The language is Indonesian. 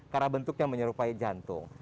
karena bentuknya menyerupai jantung